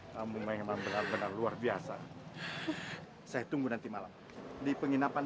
kampung memang benar benar luar biasa saya tunggu nanti malam di penginapan